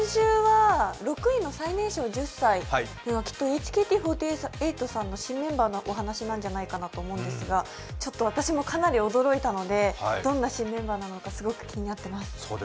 ６位の最年少１０歳、きっとＨＫＴ４８さんの新メンバーの話なのかと思うんですがちょっと私も驚いたのでどんな新メンバーなのかすごく気になってます。